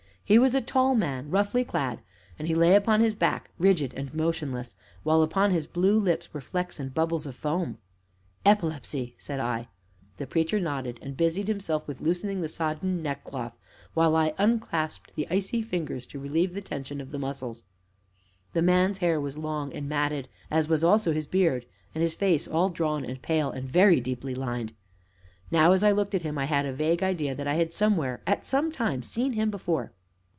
He was a tall man, roughly clad, and he lay upon his back, rigid and motionless, while upon his blue lips were flecks and bubbles of foam. "Epilepsy!" said I. The Preacher nodded and busied himself with loosening the sodden neckcloth, the while I unclasped the icy fingers to relieve the tension of the muscles. The man's hair was long and matted, as was also his beard, and his face all drawn and pale, and very deeply lined. Now, as I looked at him, I had a vague idea that I had somewhere, at some time, seen him before.